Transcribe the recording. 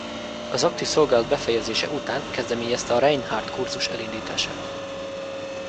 Az aktív szolgálat befejezése után kezdeményezte a Reinhardt-kurzus elindítását.